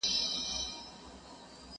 اوس به څوك اوري آواز د پردېسانو!.